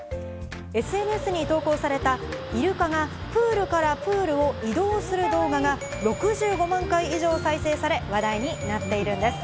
ＳＮＳに投稿されたイルカがプールからプールを移動する動画が６５万回以上再生され、話題になっているんです。